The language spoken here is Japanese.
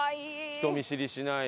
人見知りしない。